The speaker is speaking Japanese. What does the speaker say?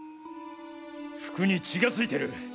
服に血が付いてる！